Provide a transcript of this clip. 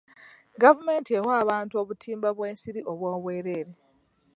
Gavumenti ewa abantu obutimba bw'ensiri obwobwereere.